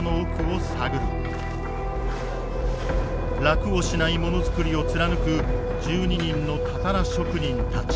楽をしないものづくりを貫く１２人のたたら職人たち。